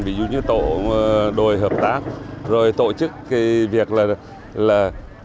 ví dụ như tổ đội hợp tác rồi tổ chức cái việc là